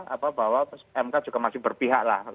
apa bahwa mk juga masih berpihak lah